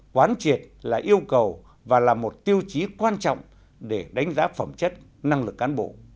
quán triệt là yêu cầu và là một tiêu chí quan trọng để đánh giá phẩm chất năng lực cán bộ